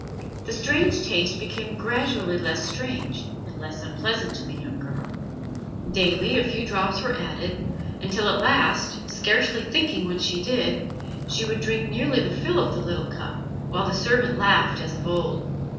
The strange taste became gradually less strange and less unpleasant to the young girl; daily a few drops were added, until at last, scarcely thinking what she did, she would drink nearly the fill of the little cup, while the servant laughed as of old.